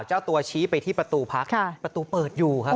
เจ้าตัวชี้ไปที่ประตูพักประตูเปิดอยู่ครับ